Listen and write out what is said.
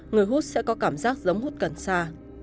người hút sẽ có cảm giác giống hút cần xa